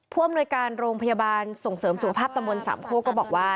ผู้อำนวยการโรงพยาบาลส่งเสริมสุขภาพตำบลสามโคกก็บอกว่า